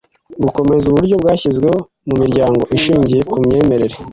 gukomeza uburyo bwashyizweho mu miryango ishingiye ku myemerere